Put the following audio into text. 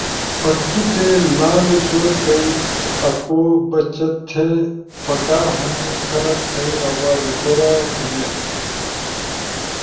پدتو تے لالو شور کئی آکو بچتھے۔ پکار ہنی خلق تھئی آواز غورا ݜُونین۔